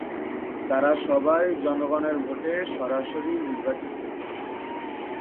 তারা সবাই জনগণের ভোটে সরাসরি নির্বাচিত।